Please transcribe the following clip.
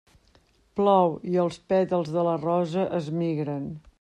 Plou i els pètals de la rosa es migren.